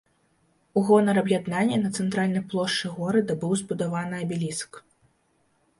У гонар аб'яднання на цэнтральнай плошчы горада быў збудаваны абеліск.